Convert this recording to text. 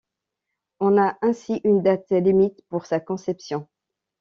On a ainsi une date limite pour sa conception.